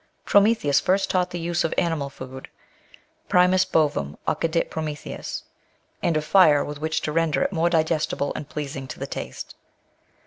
Prometheus first taught the use of animal food (primus bovem occidit Pro metheus)* and of fire, with which to render it more digestible and pleasing to the taste.